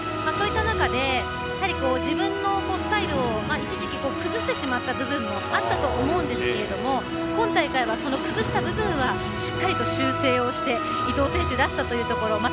そういった中で自分のスタイルを一時期、崩してしまった部分もあったと思うんですけど今大会はその崩した部分はしっかりと修正をして伊藤選手らしさというところ。